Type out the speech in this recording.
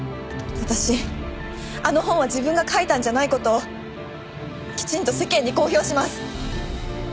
私あの本は自分が書いたんじゃない事をきちんと世間に公表します。